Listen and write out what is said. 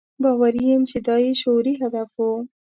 باوري یم چې دا یې شعوري هدف و.